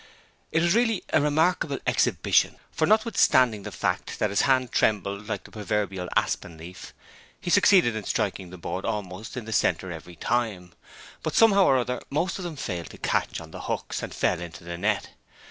It was really a remarkable exhibition, for notwithstanding the fact that his hand trembled like the proverbial aspen leaf, he succeeded in striking the board almost in the centre every time; but somehow or other most of them failed to catch on the hooks and fell into the net.